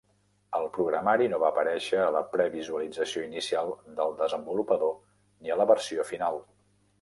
El programari no va aparèixer a la previsualització inicial del desenvolupador ni a la versió final.